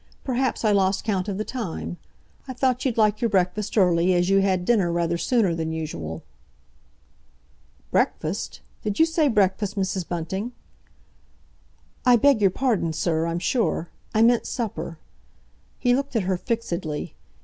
Perhaps I lost count of the time. I thought you'd like your breakfast early, as you had dinner rather sooner than usual." "Breakfast? Did you say breakfast, Mrs. Bunting?" "I beg your pardon, sir, I'm sure! I meant supper." He looked at her fixedly.